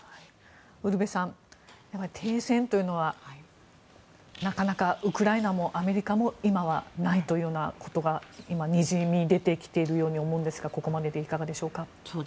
ウルヴェさん停戦というのは、なかなかウクライナもアメリカも今はないというようなことがにじみ出てきているように思いますがここまででいかがでしょうか。